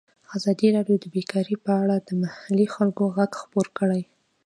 ازادي راډیو د بیکاري په اړه د محلي خلکو غږ خپور کړی.